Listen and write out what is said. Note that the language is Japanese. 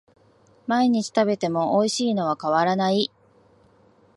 毎日食べてもおいしいのは変わらない